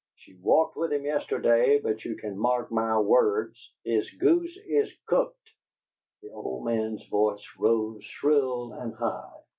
She walked with him yesterday, but you can mark my words: his goose is cooked!" The old man's voice rose, shrill and high.